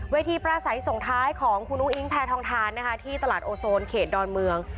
ประสัยส่งท้ายของคุณอุ้งอิงแพทองทานนะคะที่ตลาดโอโซนเขตดอนเมือง